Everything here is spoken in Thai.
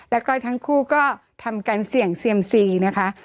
แล้วก็ทั้งคู่ก็ทำการเสี่ยงเซียมซีนะคะ